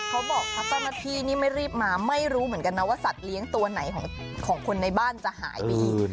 เขาบอกพัฒนภีร์นี้ไม่รีบมาไม่รู้เหมือนกันนะว่าสัตว์เลี้ยงตัวไหนของคนในบ้านจะหายดี